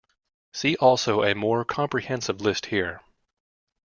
See also a more comprehensive list here.